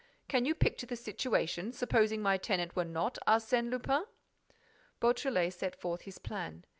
Can you picture the situation, supposing my tenant were not Arsène Lupin?" Beautrelet set forth his plan.